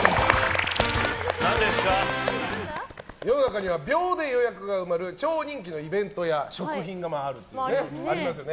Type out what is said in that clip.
世の中には秒で予約が埋まる超人気のイベントや食品がありますよね。